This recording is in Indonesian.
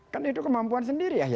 kan itu kemampuan sendiri ya